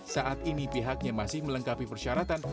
saat ini pihaknya masih melengkapi persyaratan